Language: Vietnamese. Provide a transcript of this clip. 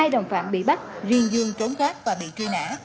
hai đồng phạm bị bắt riêng dương trốn gác và bị truy nã